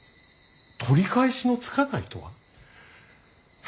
取り返しのつかないとは？